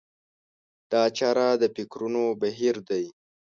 دا چاره د فکرونو بهير دی.